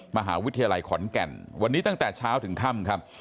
มหาวิทยาลัยขอนแก่นวันนี้ตั้งแต่เช้าถึงค่ำครับ